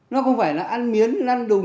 nó không phải là ăn miến ăn đùng